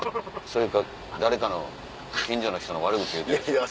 それか誰かの近所の人の悪口言うてるでしょ。